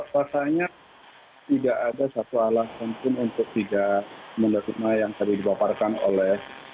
pasalnya tidak ada satu alasan pun untuk tidak menerima yang tadi dibaparkan oleh